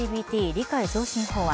理解増進法案。